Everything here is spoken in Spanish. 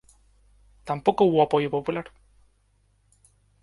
Tampoco hubo apoyo popular.